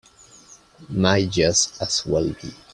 Might just as well be.